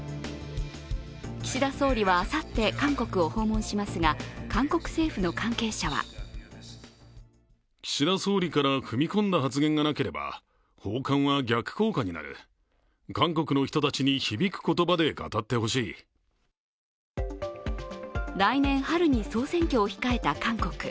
岸田総理は、あさって韓国を訪問しますが、韓国政府の関係者は来年春に総選挙を控えた韓国。